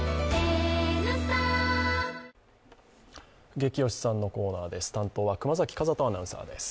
ゲキ推しさんのコーナーです。